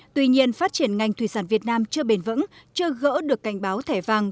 tuy nhiên phát triển ngành thủy sản việt nam chưa bền vững chưa gỡ được cảnh báo thẻ vàng